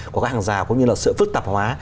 của các hàng rào cũng như là sự phức tạp hóa